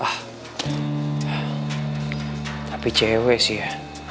hah tapi cewek sih ya